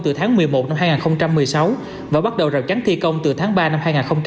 từ tháng một mươi một năm hai nghìn một mươi sáu và bắt đầu rào chắn thi công từ tháng ba năm hai nghìn một mươi bảy